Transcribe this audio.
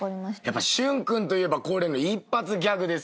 やっぱ駿君といえば恒例の一発ギャグですけども。